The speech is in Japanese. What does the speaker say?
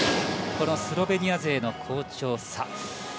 このスロベニア勢の好調さ。